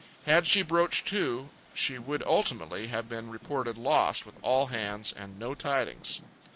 Had she broached to, she would ultimately have been reported lost with all hands and no tidings.